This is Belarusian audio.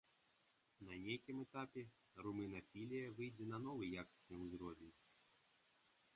На нейкім этапе румынафілія выйдзе на новы якасны ўзровень.